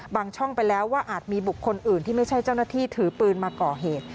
ช่องไปแล้วว่าอาจมีบุคคลอื่นที่ไม่ใช่เจ้าหน้าที่ถือปืนมาก่อเหตุ